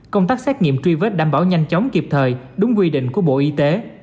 công tác xét nghiệm truy vết đảm bảo nhanh chóng kịp thời đúng quy định của bộ y tế